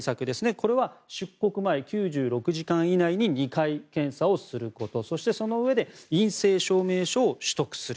これは出国前９６時間以内に２回検査をすることそして、そのうえで陰性証明書を取得する。